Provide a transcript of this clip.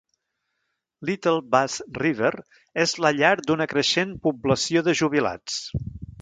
Little Bass River és la llar d'una creixent població de jubilats.